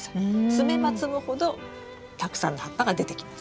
摘めば摘むほどたくさん葉っぱが出てきます。